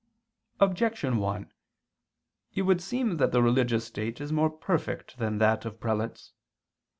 Objection 1: It would seem that the religious state is more perfect than that of prelates.